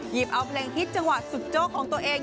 เอาเพลงฮิตจังหวะสุดโจ๊กของตัวเอง